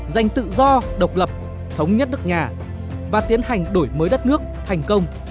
giành tự do độc lập thống nhất nước nhà và tiến hành đổi mới đất nước thành công